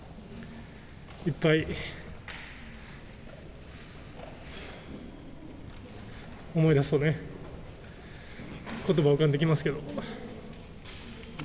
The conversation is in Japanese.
いっぱい思い出すとね、ことばが浮かんできますけど。